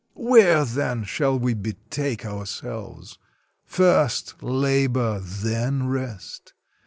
Where, then, shall we betake ourselves? First labor, then rest!